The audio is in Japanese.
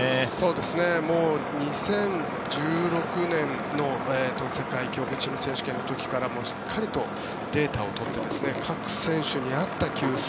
２０１６年の世界競歩選手権の時からしっかりとデータを取って各選手に合った給水